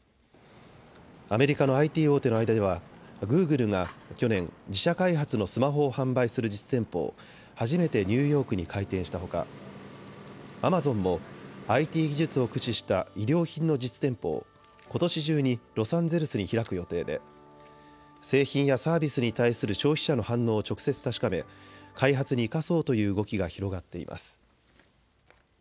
アメリカのＩＴ大手の間ではグーグルが去年、自社開発のスマホを販売する実店舗を初めてニューヨークに開店したほかアマゾンもＩＴ技術を駆使した衣料品の実店舗をことし中にロサンゼルスに開く予定で製品やサービスに対する消費者の反応を直接確かめ開発に生かそうという動きが広がっています。